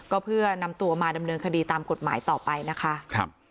ก็เพื่อนำตัวมาดำเนินคดีตามกฎหมายต่อไปนะคะ